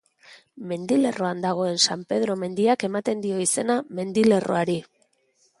Mendilerroan dagoen San Pedro mendiak ematen dio izena mendilerroari.